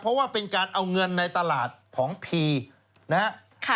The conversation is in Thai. เพราะว่าเป็นการเอาเงินในตลาดของพีนะครับ